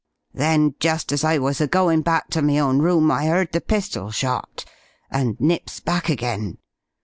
Then, just as I was a goin' back to me own room, I 'eard the pistol shot, and nips back again.